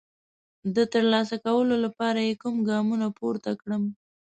د ترلاسه کولو لپاره یې کوم ګامونه پورته کړم؟